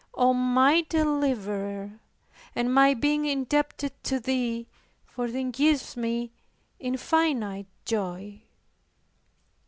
O my Deliverer; and my being indebted to Thee for it gives me infinite joy.